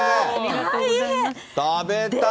食べたい。